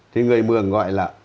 thì người mường gọi là